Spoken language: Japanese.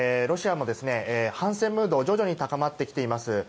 ロシアも反戦ムードが徐々に高まってきています。